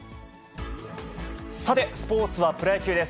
さて、スポーツはプロ野球です。